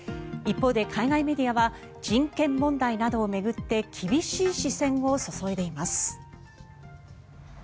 一方で、海外メディアは人権問題などを巡って厳しい視線を注いでいます。